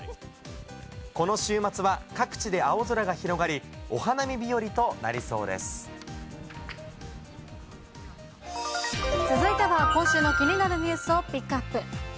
この週末は各地で青空が広が続いては、今週の気になるニュースをピックアップ。